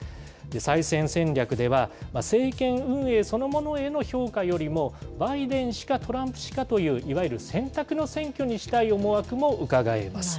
再選戦略では、政権運営そのものへの評価よりも、バイデン氏かトランプ氏かという、いわゆる選択の選挙にしたい思惑もうかがえます。